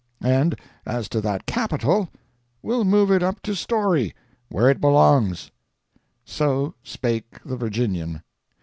And as to that Capital, we'll move it up to Storey, where it belongs." So spake the Virginian.